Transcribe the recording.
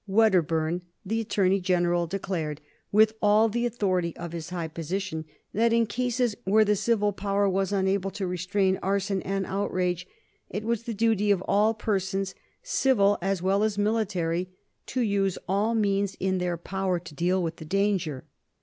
Wedderburn, the Attorney General, declared, with all the authority of his high position, that in cases where the civil power was unable to restrain arson and outrage, it was the duty of all persons, civil as well as military, to use all means in their power to deal with the danger.